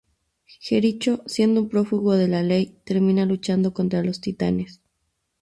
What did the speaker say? Jericho siendo un prófugo de la ley, termina luchando contra los Titanes.